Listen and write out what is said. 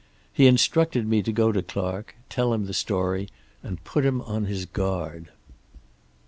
He instructed me to go to Clark, tell him the story, and put him on his guard.